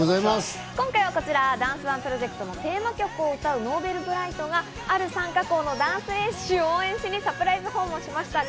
今回はこちら、ダンスＯＮＥプロジェクトのテーマ曲を歌うＮｏｖｅｌｂｒｉｇｈｔがある参加校のダンス練習を応援しにサプライズ訪問しました。